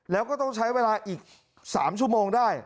แล้วก็ต้องใช้เวลาอีก๓ชั่วโมงได้